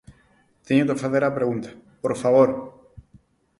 Teño que facer a pregunta, ¡por favor!